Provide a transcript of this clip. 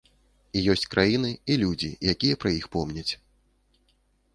І ёсць краіны і людзі, якія пра іх помняць.